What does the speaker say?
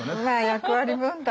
役割分担